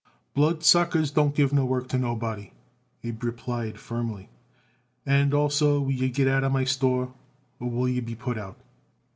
"Bloodsuckers don't give no work to nobody," Abe replied firmly. "And also will you get out of my store, or will you be put out?"